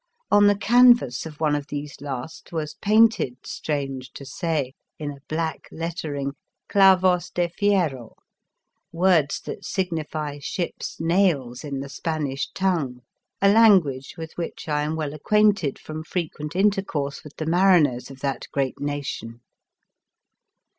On the canvas of one of these last was painted, strange to say, in a black lettering, clavos de fierro, words that signify ship's nails in the Spanish tongue, a language with which I am well acquainted from frequent IOO The Fearsome Island intercourse with the mariners of that great nation.